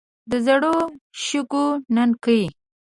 د زري شګو نینکې.